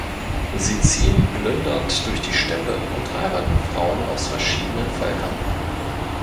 Sie ziehen plündernd durch die Steppe und heiraten Frauen aus verschiedenen Völkern.